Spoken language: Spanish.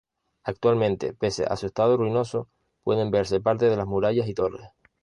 Actualmente pese a su estado ruinoso, pueden verse parte de las murallas y torres.